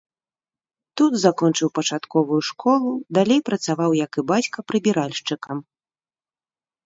Тут закончыў пачатковую школу, далей працаваў, як і бацька прыбіральшчыкам.